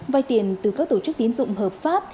vay tiền từ các tổ chức tiến dụng hợp pháp